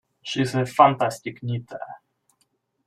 She's a fantastic knitter.